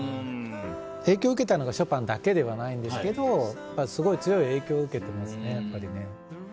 影響を受けたのがショパンだけではないんですけどすごい強い影響を受けてますねやっぱりね。